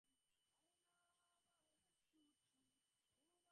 ঝড়ের বাতাসও তাহাদের সঙ্গে মিলিয়া হূ হূ করিয়া কাঁদিতে লাগিল।